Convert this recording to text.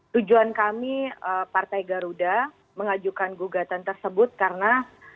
tujuan kami partai garuda mengajukan gugatan tersebut karena